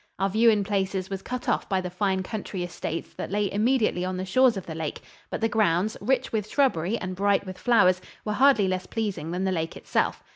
Our view in places was cut off by the fine country estates that lay immediately on the shores of the lake, but the grounds, rich with shrubbery and bright with flowers, were hardly less pleasing than the lake itself.